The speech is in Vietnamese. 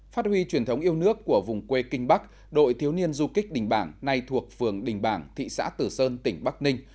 phát huy truyền thống yêu nước của vùng quê kinh bắc đội thiếu niên du kích đình bảng nay thuộc phường đình bảng thị xã tử sơn tỉnh bắc ninh